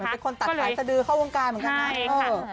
ก็มันเป็นคนตัดขาดทะดือเข้าวงการเหมือนกันนั้น